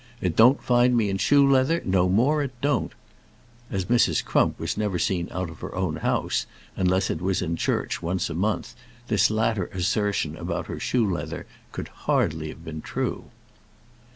It don't find me in shoe leather; no more it don't." As Mrs. Crump was never seen out of her own house, unless it was in church once a month, this latter assertion about her shoe leather, could hardly have been true.